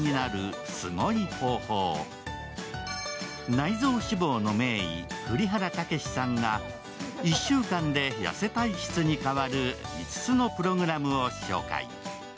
内臓脂肪の名医・栗原毅さんが１週間で痩せ体質に変わる５つのプログラムを紹介。